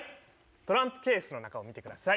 トランプケースの中を見てください。